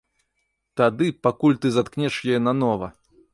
Тады пакуль ты заткнеш яе нанова!